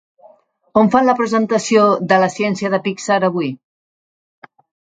On fan la presentació de "La ciència de Pixar" avui?